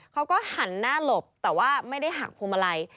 เขาก็หันหน้าหลบแต่ว่าไม่ได้หักพวงมาลัย